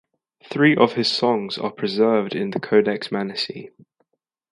Three of his songs are preserved in the Codex Manesse.